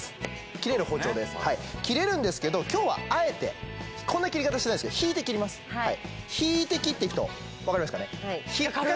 切れる包丁ですはい切れるんですけど今日はこんな切り方しないんですけど引いて切っていくと分かりますかね